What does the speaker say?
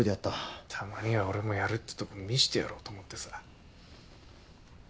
たまには俺もやるってとこ見してやろうと思ってさ。